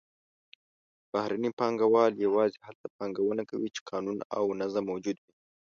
بهرني پانګهوال یوازې هلته پانګونه کوي چې قانون او نظم موجود وي.